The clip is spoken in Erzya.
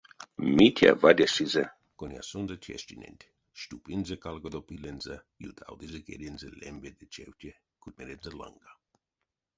Митя вадяшизе конясонзо тештиненть, штюпинзе калгодо пилензэ, ютавтызе кедензэ лембе ды чевте кутьмерензэ ланга.